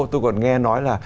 tôi còn nghe nói là